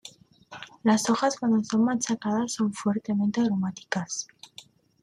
Las hojas cuando son machacadas son fuertemente aromáticas.